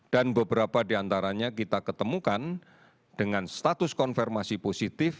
dan beberapa di antaranya kita ketemukan dengan status konfirmasi positif